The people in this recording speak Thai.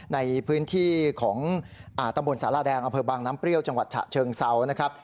ในพื้นที่ของตำบลสาราแดงอำเภอบางน้ำเปรี้ยวจังหวัดฉะเชิงเซานะครับ